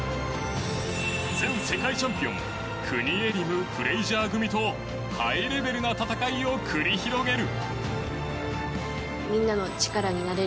前世界チャンピオンクニエリム、フレイジャー組とハイレベルな戦いを繰り広げる。